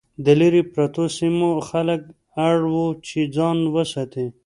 د لرې پرتو سیمو خلک اړ وو چې ځان وساتي.